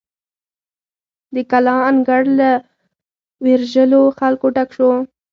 د کلا انګړ له ویرژلو خلکو ډک شو.